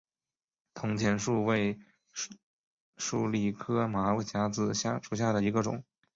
铜钱树为鼠李科马甲子属下的一个种。